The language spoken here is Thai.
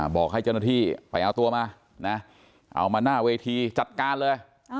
บอกให้เจ้าหน้าที่ไปเอาตัวมานะเอามาหน้าเวทีจัดการเลย